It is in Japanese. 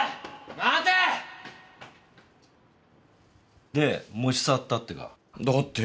待て！で持ち去ったってか？